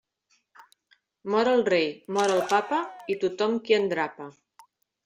Mor el rei, mor el papa, i tothom qui endrapa.